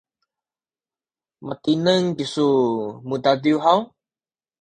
matineng kisu mudadiw haw?